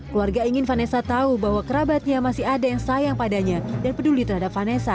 keluarga ingin vanessa tahu bahwa kerabatnya masih ada yang sayang padanya dan peduli terhadap vanessa